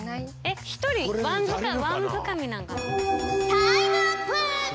タイムアップ！